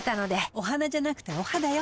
お花じゃなくてお肌よ。